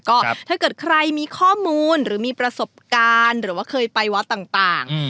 ก็ถ้าเกิดใครมีข้อมูลหรือมีประสบการณ์หรือว่าเคยไปวัดต่าง